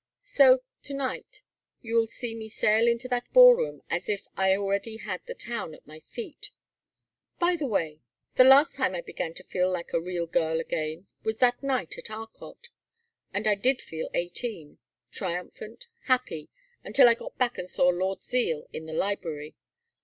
So to night, you'll see me sail into that ballroom as if I already had the town at my feet. By the way the last time I began to feel like a real girl again was that night at Arcot and I did feel eighteen triumphant happy until I got back and saw Lord Zeal in the library.